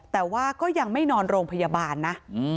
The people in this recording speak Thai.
แต่ว่าก็ยังไม่นอนโรงพยาบาลนะ